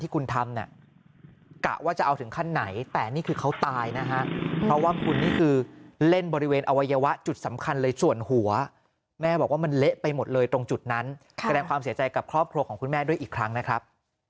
คือเล่นบริเวณอวัยวะจุดสำคัญเลยส่วนหัวแม่บอกว่ามันเละไปหมดเลยตรงจุดนั้นกระแดมความเสียใจกับครอบครัวของคุณแม่ด้วยอีกครั้งนะครับ